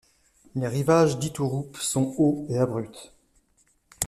Les rivages d'Itouroup sont hauts et abrupts.